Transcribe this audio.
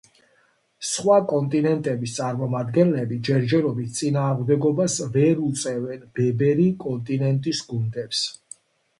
სხვა კონტინენტების წარმომადგენლები ჯერჯერობით წინააღმდეგობას ვერ უწევენ ბებერი კონტინენტის გუნდებს.